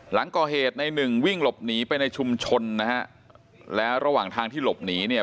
หลังก่อเหตุในหนึ่งวิ่งหลบหนีไปในชุมชนนะฮะแล้วระหว่างทางที่หลบหนีเนี่ย